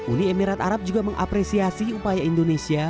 uni emirat arab juga mengapresiasi upaya indonesia